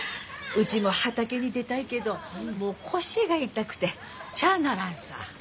うちも畑に出たいけどもう腰が痛くてちゃーならんさあ。